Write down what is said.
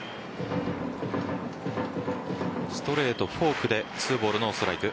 ストレート、フォークで２ボール、ノーストライク。